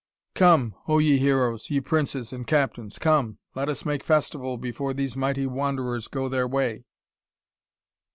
"Come, oh ye Heroes, ye princes and captains! Come, let us make festival before these mighty wanderers go their way!"